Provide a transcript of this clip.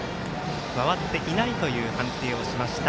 回っていないという判定をしました。